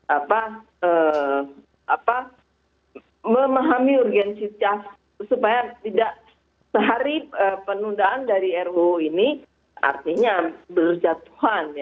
apa memahami urgensitas supaya tidak sehari penundaan dari ruu ini artinya berjatuhan